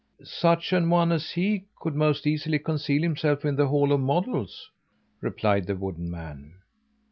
"Such an one as he could most easily conceal himself in the hall of models," replied the wooden man.